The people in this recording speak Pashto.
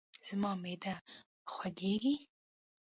زما معده خوږیږي